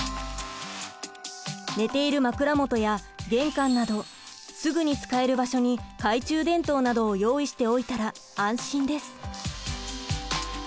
寝ている枕元や玄関などすぐに使える場所に懐中電灯などを用意しておいたら安心です。